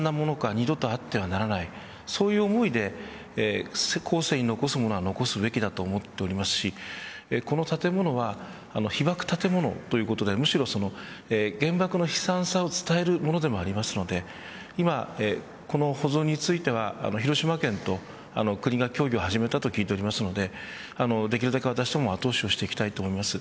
二度とあってはならないそういう思いで後世に残すものは残すべきだと思っていますしこの建物は被爆建物ということで、むしろ原爆の悲惨さを伝えるものでもあるので今、この保存については広島県と国が協議を始めたと聞いているのでできるだけ、私どもは後押しをしていきたいです。